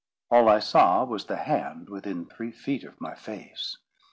All I saw was the hand within three feet of my face.